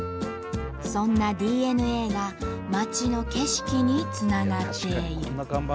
そんなＤＮＡが街の景色につながっている。